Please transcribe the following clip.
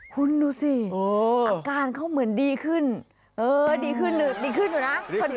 คุณดูสิอาการเขาเหมือนดีขึ้นเออดีขึ้นดีขึ้นอยู่นะ